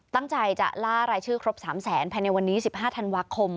ตั้งใจจะล่ารายชื่อครบ๓แสนภายในวันนี้๑๕ธันวาคม